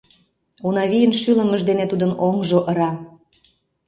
Унавийын шӱлымыж дене тудын оҥжо ыра.